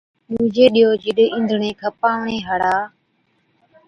ڏُوجي ڏِيئو جِڏ اِينڌڻي کپاوَڻي هاڙا